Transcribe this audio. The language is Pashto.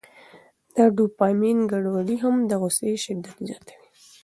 د ډوپامین ګډوډي هم د غوسې شدت زیاتوي.